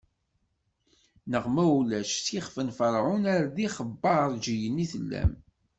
Neɣ ma ulac, s yixf n Ferɛun, ar d ixbaṛǧiyen i tellam.